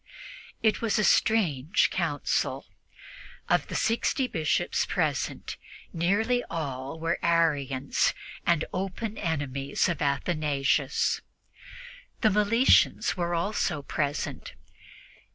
It was a strange Council. Of the sixty Bishops present, nearly all were Arians and open enemies of Athanasius. The Meletians were also present.